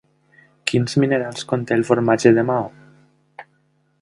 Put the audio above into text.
Quins minerals conté el formatge de Maó?